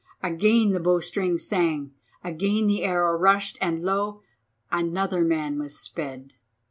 Again the bow string sang, again the arrow rushed, and lo! another man was sped.